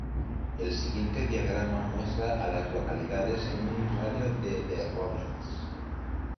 El siguiente diagrama muestra a las localidades en un radio de de Robbins.